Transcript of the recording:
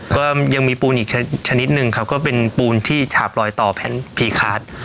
ก็ยังมีปูนอีกชนิดหนึ่งครับก็เป็นปูนที่ฉาบลอยต่อแผ่นพีคาร์ด